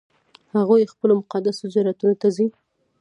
هغوی خپلو مقدسو زیارتونو ته ځي.